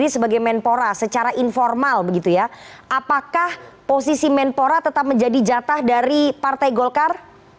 sebagai menpora secara informal begitu ya apakah posisi menpora tetap menjadi jatah dari partai golkar